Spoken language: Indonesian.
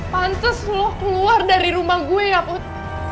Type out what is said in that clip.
pantes lo keluar dari rumah gue ya put